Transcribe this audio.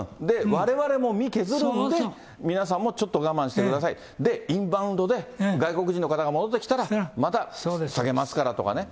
われわれも身、削るんで、皆さんもちょっと我慢してください、で、インバウンドで、外国人の方が戻ってきたら、また下げますからとかね。